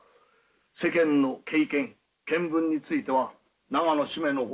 世間の経験見聞については長野主馬の方が先輩だ。